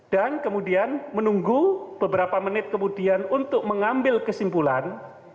dan kemudian menunggu beberapa menit kemudian untuk mengambil kesimpulan